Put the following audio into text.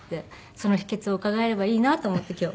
その秘訣を伺えればいいなと思って今日。